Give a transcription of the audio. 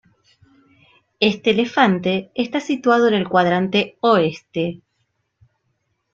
Este elefante está situado en el cuadrante oeste.